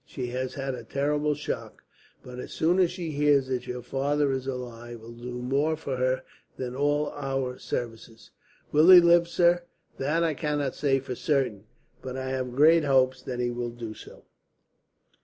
She has had a terrible shock, but as soon as she hears that your father is alive, it will do more for her than all our services." "Will he live, sir?" "That I cannot say for certain, but I have great hopes that he will do so.